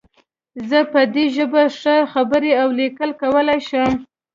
زه په دې ژبو ښې خبرې او لیکل کولی شم